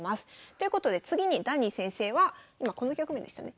ということで次にダニー先生は今この局面でしたね。